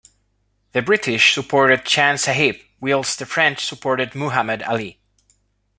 The British supported Chand Sahib, whilst the French supported Muhammed Ali.